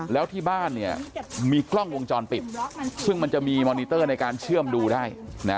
แล้วที่บ้านเนี่ยมีกล้องวงจรปิดซึ่งมันจะมีมอนิเตอร์ในการเชื่อมดูได้นะ